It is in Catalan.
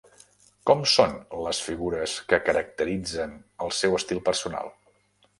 Com són les figures que caracteritzen el seu estil personal?